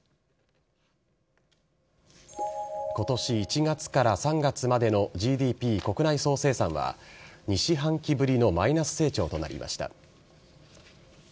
今年１月から３月までのＧＤＰ＝国内総生産は２四半期ぶりのマイナス成長となりました。